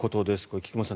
菊間さん